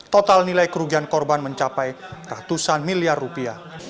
total nilai kerugian korban mencapai ratusan miliar rupiah